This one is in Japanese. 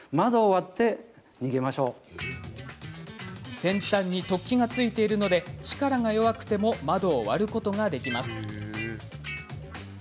先端に突起がついているので力が弱くても窓を割ることができます。